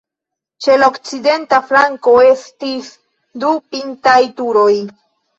Ĉe la okcidenta flanko estis du pintaj turoj.